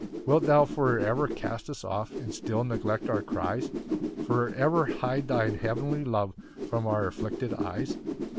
9 Wilt thou for ever cast us off And still neglect our cries? For ever hide thine heavenly love From our afflicted eyes?